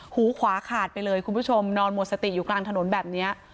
หูขวาขาดไปเลยคุณผู้ชมนอนหมดสติอยู่กลางถนนแบบนี้